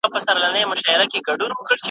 په دوس کلي کي مېلمه مشر وي `